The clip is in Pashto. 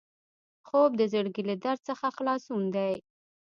خوب د زړګي له درد څخه خلاصون دی